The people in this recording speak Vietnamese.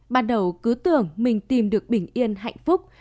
ban đầu cứ tưởng mình tìm được bình yên hạnh phúc